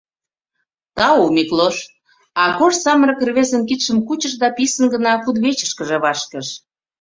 — Тау, Миклош, — Акош самырык рвезын кидшым кучыш да писын гына кудывечышкыже вашкыш.